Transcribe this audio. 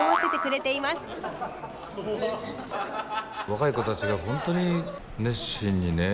若い子たちが本当に熱心にね